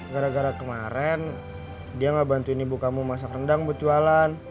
gara gara kemaren dia gak bantuin ibu kamu masak rendang buat jualan